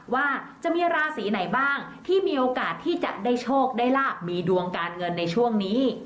ว่าจะมีราศีไหนบ้างที่มีโอกาสที่จะได้โชคได้ลาบมีดวงการเงินในช่วงนี้